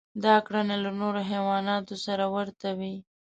دا کړنې له نورو حیواناتو سره ورته وې.